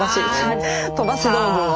飛ばし道具を。